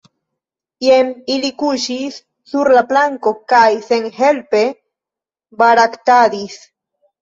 Jen ili kuŝis sur la planko kaj senhelpe baraktadis.